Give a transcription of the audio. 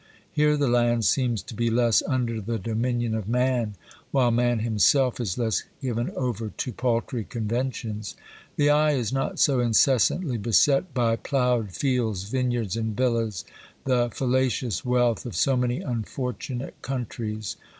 Here the land seems to be less under the dominion of man, while man himself is less given over to paltry conventions. The eye is not so incessantly beset by ploughed fields, vineyards and villas, the falla cious wealth of so many unfortunate countries.